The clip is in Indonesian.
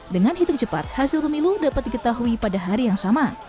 dengan hitung cepat hasil pemilu dapat diketahui pada hari yang sama